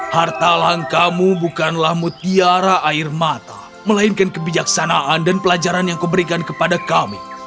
harta langkahmu bukanlah mutiara air mata melainkan kebijaksanaan dan pelajaran yang kau berikan kepada kami